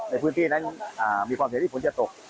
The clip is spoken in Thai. ในพื้นที่นั้นมีความเห็นที่ฝนจะตก